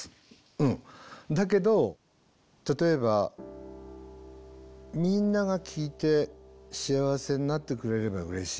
だけど例えばみんなが聴いて幸せになってくれればうれしい。